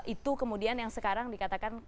itu kemudian yang sekarang dikatakan